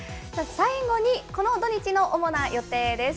最後にこの土日の主な予定です。